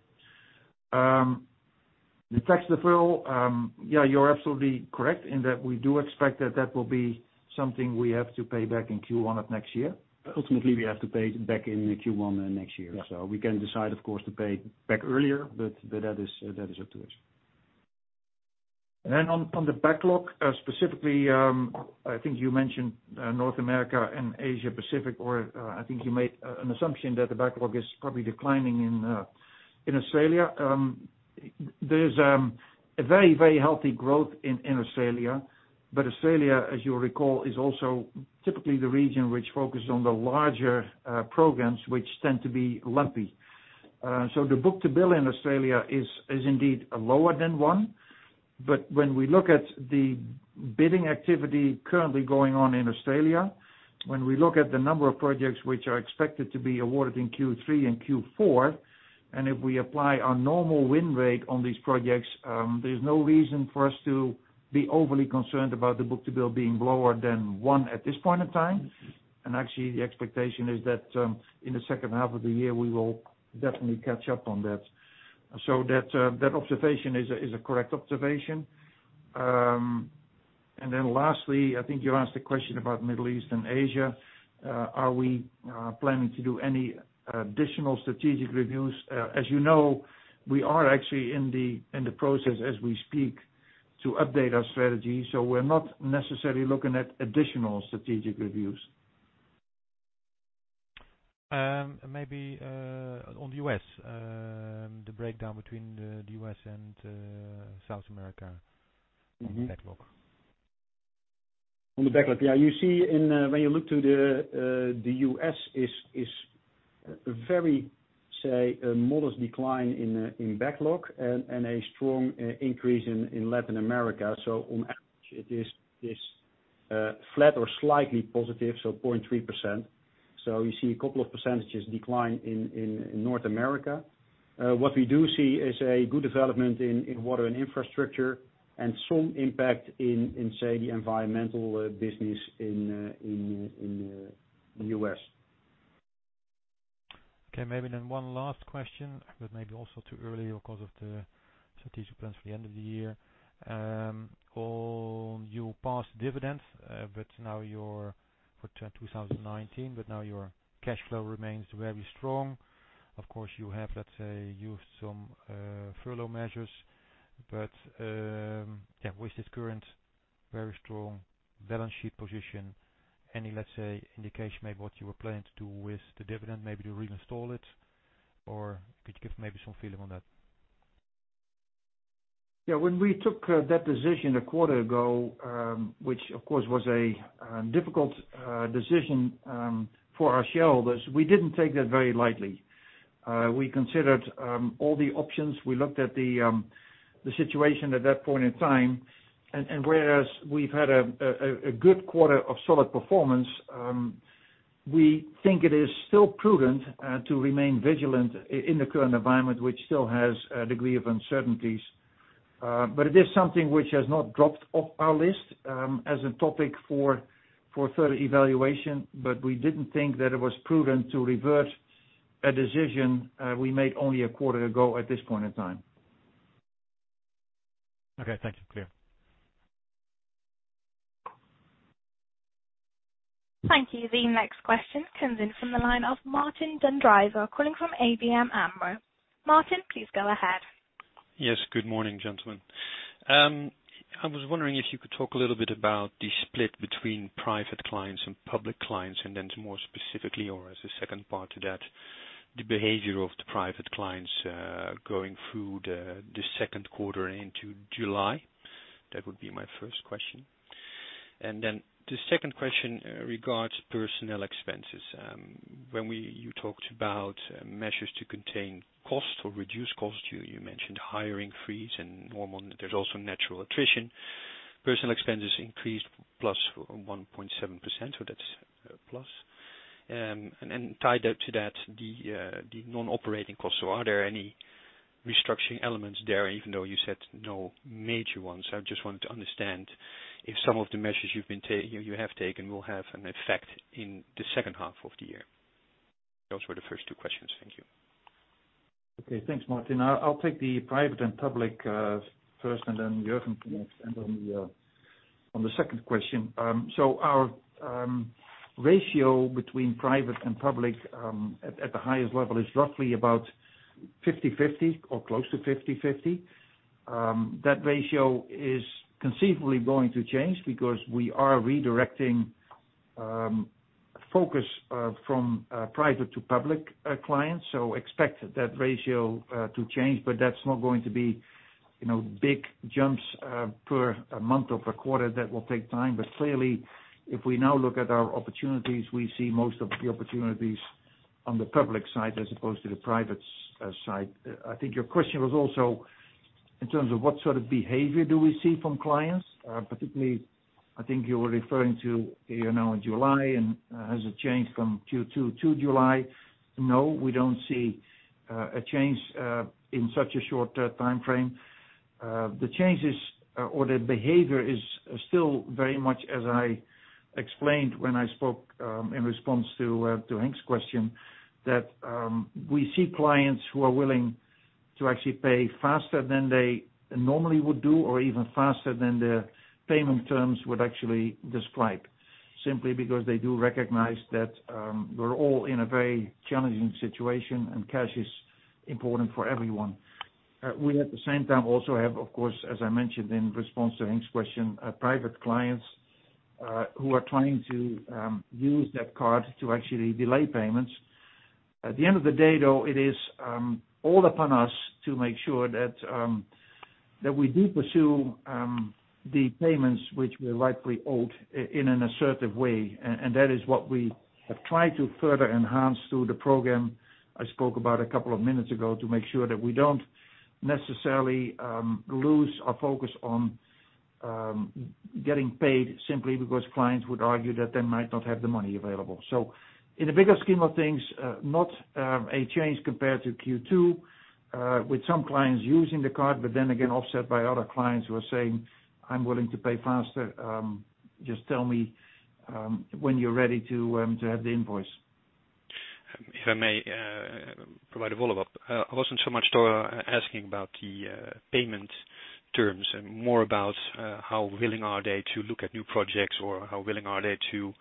The tax deferral, yeah, you're absolutely correct in that we do expect that will be something we have to pay back in Q1 of next year. Ultimately, we have to pay it back in Q1 next year. Yeah. We can decide, of course, to pay back earlier, but that is up to us. On the backlog, specifically, I think you mentioned North America and Asia Pacific, or I think you made an assumption that the backlog is probably declining in Australia. There's a very healthy growth in Australia, but Australia, as you will recall, is also typically the region which focuses on the larger programs, which tend to be lumpy. The book-to-bill in Australia is indeed lower than one. When we look at the bidding activity currently going on in Australia, when we look at the number of projects which are expected to be awarded in Q3 and Q4, and if we apply our normal win rate on these projects, there's no reason for us to be overly concerned about the book-to-bill being lower than one at this point in time. Actually, the expectation is that in the second half of the year, we will definitely catch up on that. That observation is a correct observation. Lastly, I think you asked a question about Middle East and Asia. Are we planning to do any additional strategic reviews? As you know, we are actually in the process, as we speak, to update our strategy, so we're not necessarily looking at additional strategic reviews. Maybe on the U.S., the breakdown between the U.S. and South America on the backlog. On the backlog. Yeah. You see when you look to the U.S. is very, say, a modest decline in backlog and a strong increase in Latin America. On average, it is flat or slightly positive, so 0.3%. You see a couple of percentages decline in North America. What we do see is a good development in water and infrastructure and strong impact in, say, the environmental business in the U.S. Maybe one last question, but maybe also too early because of the strategic plans for the end of the year. On your past dividends for 2019, now your cash flow remains very strong. Of course, you have used some furlough measures, with this current very strong balance sheet position, any indication maybe what you are planning to do with the dividend, maybe to reinstall it, or could you give maybe some feeling on that? Yeah. When we took that decision a quarter ago, which of course was a difficult decision for our shareholders, we didn't take that very lightly. We considered all the options. We looked at the situation at that point in time, and whereas we've had a good quarter of solid performance, we think it is still prudent to remain vigilant in the current environment, which still has a degree of uncertainties. It is something which has not dropped off our list as a topic for further evaluation. We didn't think that it was prudent to revert a decision we made only a quarter ago at this point in time. Okay. Thank you. Clear. Thank you. The next question comes in from the line of Martijn den Drijver, calling from ABN AMRO. Martijn, please go ahead. Yes. Good morning, gentlemen. I was wondering if you could talk a little bit about the split between private clients and public clients, and then more specifically, or as a second part to that, the behavior of the private clients going through the second quarter into July. That would be my first question. The second question regards personnel expenses. When you talked about measures to contain costs or reduce costs, you mentioned hiring freeze and there's also natural attrition. Personnel expenses increased +1.7%. Tied up to that, the non-operating costs, are there any restructuring elements there even though you said no major ones? I just wanted to understand if some of the measures you have taken will have an effect in the second half of the year. Those were the first two questions. Thank you. Okay. Thanks, Martijn. I'll take the private and public first, and then Jurgen can expand on the second question. Our ratio between private and public, at the highest level, is roughly about 50/50 or close to 50/50. That ratio is conceivably going to change because we are redirecting focus from private to public clients, so expect that ratio to change, but that's not going to be big jumps per month of a quarter. That will take time. Clearly, if we now look at our opportunities, we see most of the opportunities on the public side as opposed to the private side. I think your question was also in terms of what sort of behavior do we see from clients. Particularly, I think you were referring to July, and has it changed from Q2 to July? No, we don't see a change in such a short timeframe. The changes or the behavior is still very much as I explained when I spoke, in response to Henk's question, that we see clients who are willing to actually pay faster than they normally would do or even faster than their payment terms would actually describe, simply because they do recognize that we're all in a very challenging situation and cash is important for everyone. We, at the same time, also have, of course, as I mentioned in response to Henk's question, private clients who are trying to use that card to actually delay payments. At the end of the day, though, it is all upon us to make sure that we do pursue the payments which we are rightly owed in an assertive way. That is what we have tried to further enhance through the program I spoke about a couple of minutes ago, to make sure that we don't necessarily lose our focus on getting paid simply because clients would argue that they might not have the money available. In the bigger scheme of things, not a change compared to Q2, with some clients using the card, but then again, offset by other clients who are saying, "I'm willing to pay faster, just tell me when you're ready to have the invoice. If I may provide a follow-up. I wasn't so much asking about the payment terms, more about how willing are they to look at new projects, or how willing are they to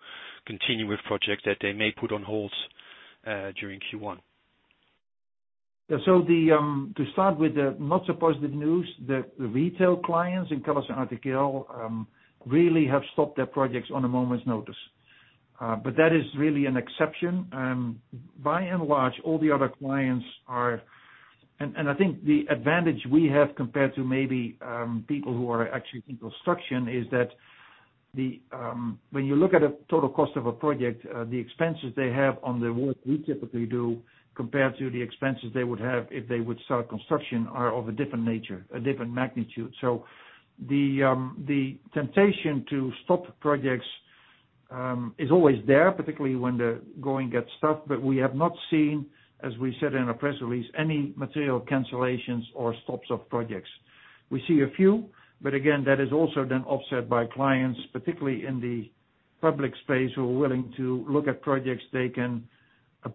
continue with projects that they may put on hold during Q1. To start with the not-so-positive news, the retail clients in CallisonRTKL really have stopped their projects on a moment's notice. That is really an exception. By and large, all the other clients are. I think the advantage we have compared to maybe people who are actually in construction is that when you look at a total cost of a project, the expenses they have on the work we typically do compared to the expenses they would have if they would start construction are of a different nature, a different magnitude. The temptation to stop projects is always there, particularly when the going gets tough. We have not seen, as we said in our press release, any material cancellations or stops of projects. We see a few, but again, that is also then offset by clients, particularly in the public space, who are willing to look at projects they can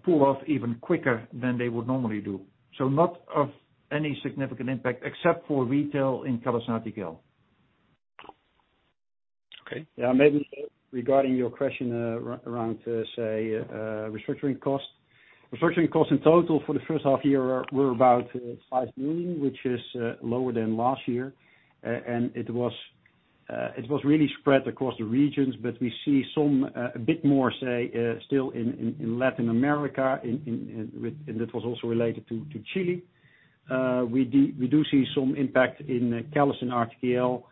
pull off even quicker than they would normally do. Not of any significant impact, except for retail in CallisonRTKL. Okay. Maybe regarding your question around, say, restructuring costs. Restructuring costs in total for the first half year were about 5 million, which is lower than last year. It was really spread across the regions, but we see a bit more, say, still in Latin America, and that was also related to Chile. We do see some impact in CallisonRTKL,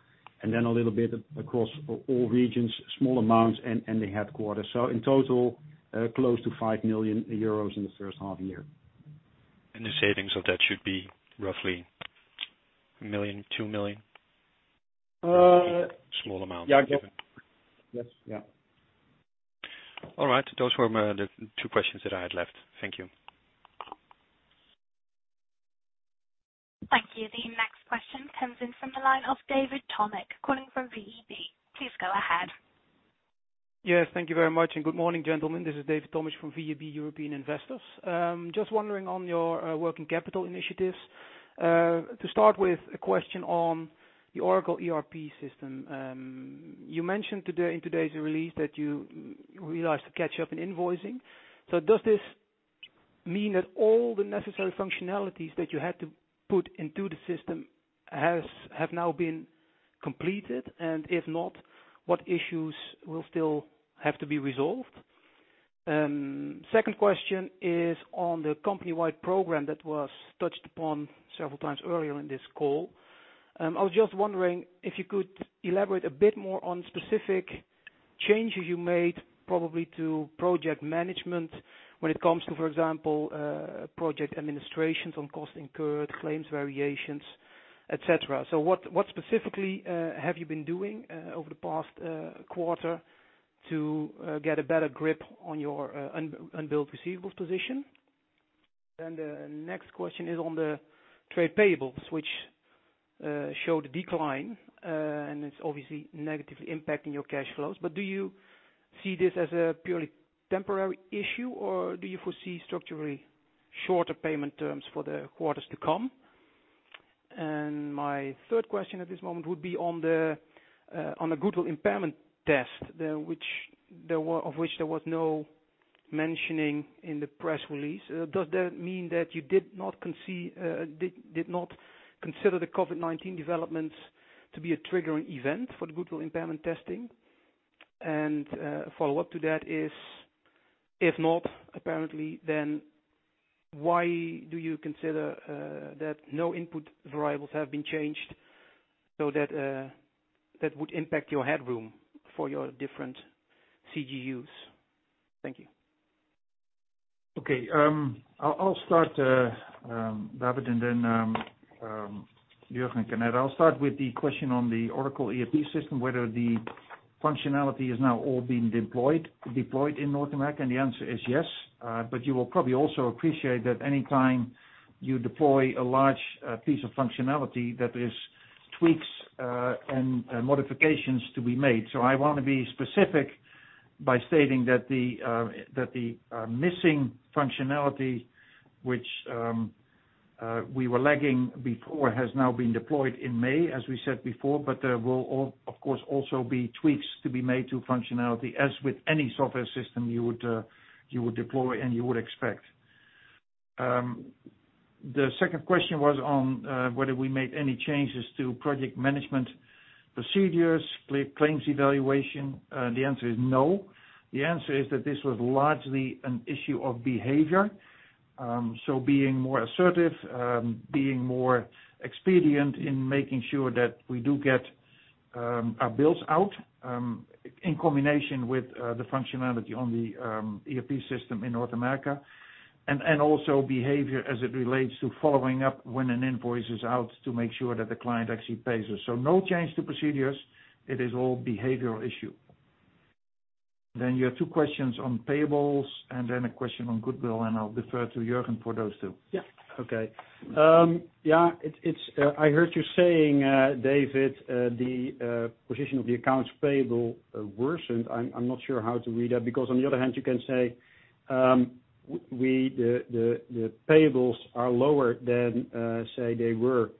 and then a little bit across all regions, small amounts, and the headquarters. In total, close to 5 million euros in the first half year. The savings of that should be roughly 1 million, 2 million? Small amount. Yes. All right. Those were the two questions that I had left. Thank you. Thank you. The next question comes in from the line of David Tomic, calling from VEB. Please go ahead. Yes. Thank you very much. Good morning, gentlemen. This is David Tomic from VEB European Investors. Just wondering on your working capital initiatives, to start with a question on the Oracle ERP system. You mentioned in today's release that you realized a catch-up in invoicing. Does this mean that all the necessary functionalities that you had to put into the system have now been completed? If not, what issues will still have to be resolved? Second question is on the company-wide program that was touched upon several times earlier in this call. I was just wondering if you could elaborate a bit more on specific changes you made, probably to project management when it comes to, for example, project administrations on costs incurred, claims variations, et cetera. What specifically have you been doing over the past quarter to get a better grip on your unbilled receivables position? The next question is on the trade payables, which showed a decline, and it's obviously negatively impacting your cash flows. Do you see this as a purely temporary issue, or do you foresee structurally shorter payment terms for the quarters to come? My third question at this moment would be on the goodwill impairment test, of which there was no mentioning in the press release. Does that mean that you did not consider the COVID-19 developments to be a triggering event for the goodwill impairment testing? A follow-up to that is, if not, apparently, then why do you consider that no input variables have been changed so that would impact your headroom for your different CGUs? Thank you. I'll start, David, and then Jurgen can add. I'll start with the question on the Oracle ERP system, whether the functionality has now all been deployed in North America. The answer is yes. You will probably also appreciate that any time you deploy a large piece of functionality, there is tweaks and modifications to be made. I want to be specific by stating that the missing functionality which we were lagging before has now been deployed in May, as we said before. There will, of course, also be tweaks to be made to functionality, as with any software system you would deploy and you would expect. The second question was on whether we made any changes to project management procedures, claims evaluation. The answer is no. The answer is that this was largely an issue of behavior. Being more assertive, being more expedient in making sure that we do get our bills out, in combination with the functionality on the ERP system in North America, and also behavior as it relates to following up when an invoice is out to make sure that the client actually pays us. No change to procedures. It is all behavioral issue. You have two questions on payables and then a question on goodwill, and I will defer to Jurgen for those two. Yeah. Okay. I heard you saying, David, the position of the accounts payable worsened. I'm not sure how to read that, because on the other hand, you can say the payables are lower than, say, they were,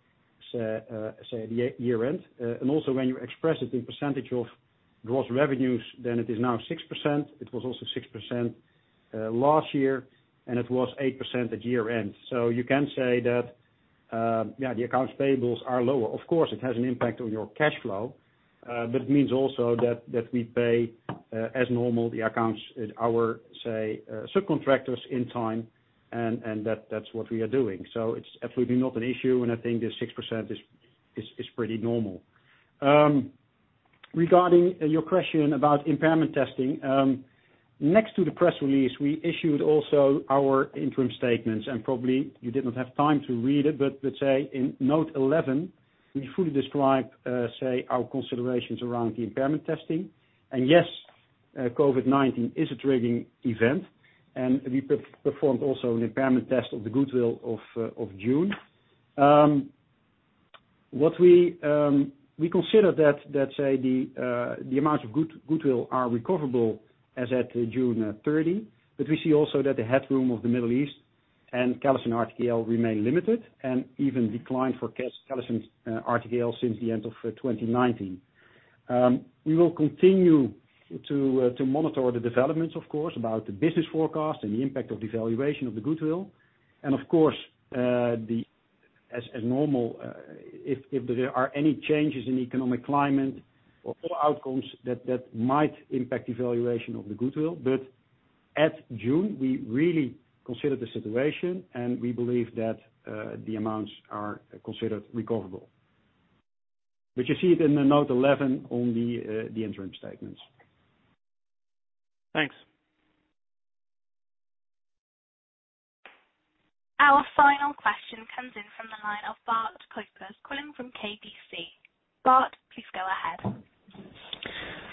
say, the year-end. Also when you express it in percentage of gross revenues, then it is now 6%. It was also 6% last year, and it was 8% at year-end. You can say that, yeah, the accounts payables are lower. Of course, it has an impact on your cash flow. It means also that we pay as normal the accounts our subcontractors in time, and that's what we are doing. It's absolutely not an issue, and I think the 6% is pretty normal. Regarding your question about impairment testing. Next to the press release, we issued also our interim statements, probably you did not have time to read it. Let's say in note 11, we fully describe, say, our considerations around the impairment testing. Yes, COVID-19 is a triggering event, and we performed also an impairment test of the goodwill of June. We consider that, say, the amount of goodwill are recoverable as at June 30. We see also that the headroom of the Middle East and CallisonRTKL remain limited and even declined for CallisonRTKL since the end of 2019. We will continue to monitor the developments, of course, about the business forecast and the impact of devaluation of the goodwill. Of course, as normal, if there are any changes in economic climate or other outcomes, that might impact devaluation of the goodwill. At June, we really considered the situation, and we believe that the amounts are considered recoverable. You see it in the note 11 on the interim statements. Thanks. Our final question comes in from the line of Bart Cuypers, calling from KBC. Bart, please go ahead.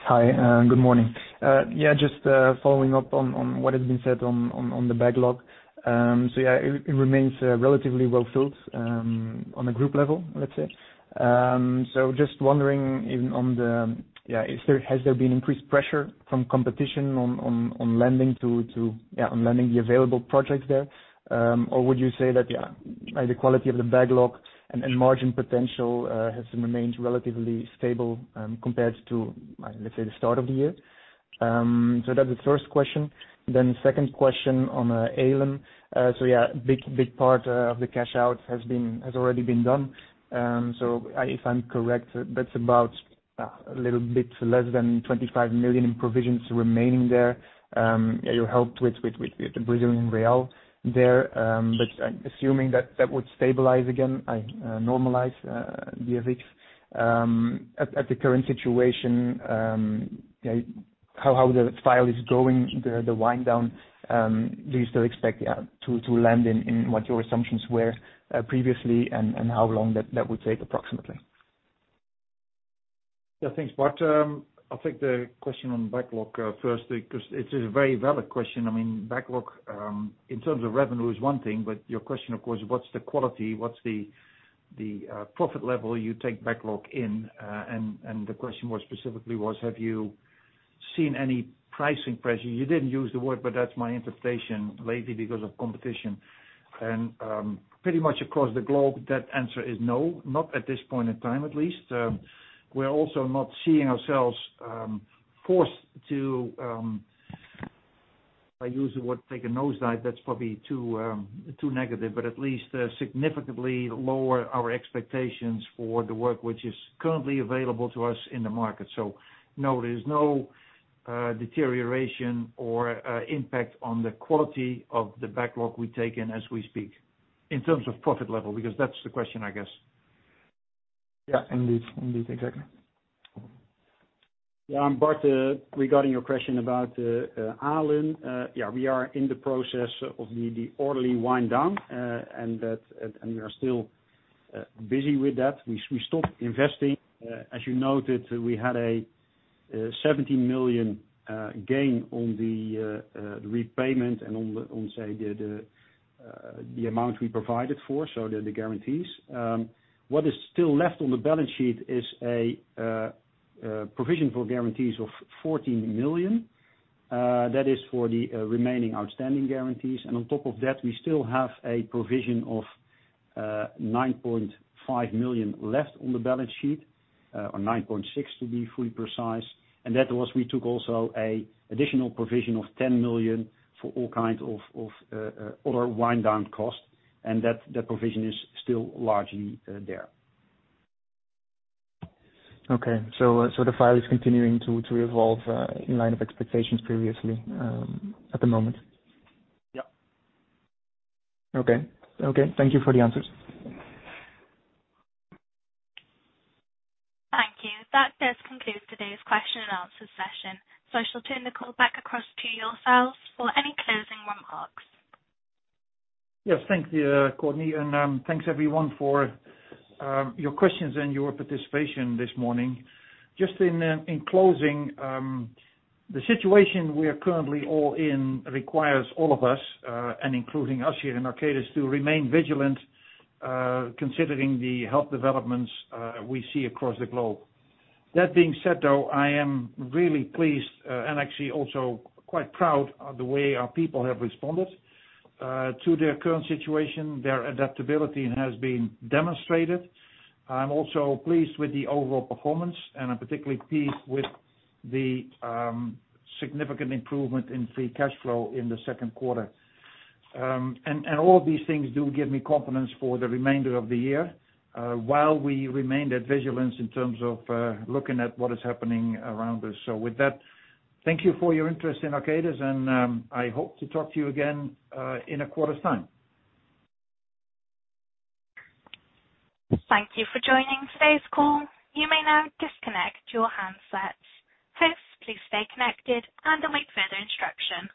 Hi, good morning. Just following up on what has been said on the backlog. It remains relatively well-filled on a group level, let's say. Just wondering, has there been increased pressure from competition on lending the available projects there? Would you say that the quality of the backlog and margin potential has remained relatively stable compared to, let's say, the start of the year? That's the first question. Second question on ALEN. Big part of the cash out has already been done. If I'm correct, that's about a little bit less than 25 million in provisions remaining there. You helped with the Brazilian real there, assuming that would stabilize again, normalize the effects. At the current situation, how the file is going, the wind down, do you still expect to land in what your assumptions were previously and how long that would take approximately? Yeah, thanks, Bart. I'll take the question on backlog first, because it is a very valid question. Backlog, in terms of revenue is one thing, but your question, of course, what's the quality, what's the profit level you take backlog in, and the question more specifically was, have you seen any pricing pressure? You didn't use the word, but that's my interpretation, lately because of competition. Pretty much across the globe, that answer is no, not at this point in time, at least. We're also not seeing ourselves forced to, I use the word take a nosedive, that's probably too negative, but at least significantly lower our expectations for the work which is currently available to us in the market. No, there is no deterioration or impact on the quality of the backlog we take in as we speak, in terms of profit level, because that's the question, I guess. Yeah, indeed. Exactly. Yeah. Bart, regarding your question about ALEN. We are in the process of the orderly wind down, and we are still busy with that. We stopped investing. As you noted, we had a 17 million gain on the repayment and on, say, the amount we provided for, so the guarantees. What is still left on the balance sheet is a provision for guarantees of 14 million. That is for the remaining outstanding guarantees. On top of that, we still have a provision of 9.5 million left on the balance sheet, or 9.6 to be fully precise. We took also an additional provision of 10 million for all kinds of other wind down costs, and that provision is still largely there. Okay. The file is continuing to evolve in line of expectations previously, at the moment. Yeah. Okay. Thank you for the answers. Thank you. That does conclude today's question and answer session. I shall turn the call back across to yourselves for any closing remarks. Yes, thank you, Courtney. Thanks, everyone, for your questions and your participation this morning. Just in closing, the situation we are currently all in requires all of us, including us here in Arcadis, to remain vigilant, considering the health developments we see across the globe. That being said, though, I am really pleased and actually also quite proud of the way our people have responded to their current situation. Their adaptability has been demonstrated. I'm also pleased with the overall performance, and I'm particularly pleased with the significant improvement in free cash flow in the second quarter. All of these things do give me confidence for the remainder of the year, while we remain that vigilance in terms of looking at what is happening around us. With that, thank you for your interest in Arcadis, and I hope to talk to you again in a quarter's time. Thank you for joining today's call. You may now disconnect your handsets. Please stay connected and await further instruction.